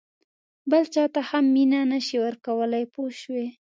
بل چاته هم مینه نه شې ورکولای پوه شوې!.